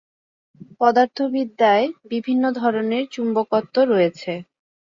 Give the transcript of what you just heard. পদার্থবিদ্যায় বিভিন্ন ধরনের চুম্বকত্ব রয়েছে।